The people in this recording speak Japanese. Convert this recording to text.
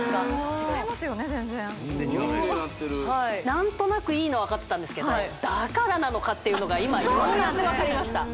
違いますよね全然全然違うね何となくいいのは分かってたんですけどだからなのかっていうのが今ようやく分かりました